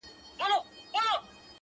نه يوې خوا ته رهي سول ټول سرونه٫